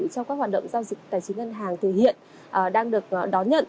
cho các hoạt động giao dịch tài chính ngân hàng từ hiện đang được đón nhận